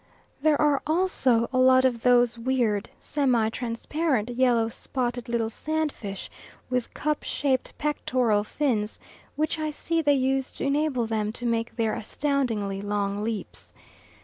There are also a lot of those weird, semi transparent, yellow, spotted little sandfish with cup shaped pectoral fins, which I see they use to enable them to make their astoundingly long leaps.